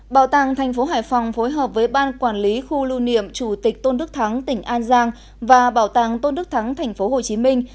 bảo tàng tp hải phòng phối hợp với ban quản lý khu lu niệm chủ tịch tôn đức thắng tỉnh an giang và bảo tàng tôn đức thắng tp hồ chí minh